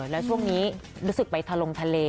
แล้วช่วงนี้รู้สึกไปทะลงทะเล